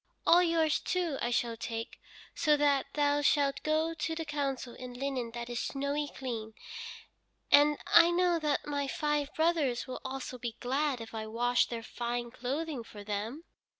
All yours, too, I shall take, so that thou shalt go to the council in linen that is snowy clean, and I know that my five brothers will also be glad if I wash their fine clothing for them."